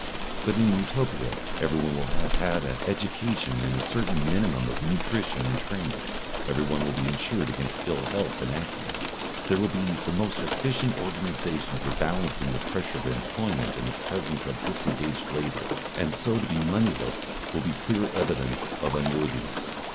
But in Utopia everyone will have had an education and a certain minimum of nutrition and training; everyone will be insured against ill health and accidents; there will be the most efficient organisation for balancing the pressure of employment and the presence of disengaged labour, and so to be moneyless will be clear evidence of unworthiness.